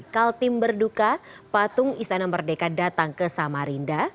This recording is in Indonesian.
kaltim berduka patung istana merdeka datang ke samarinda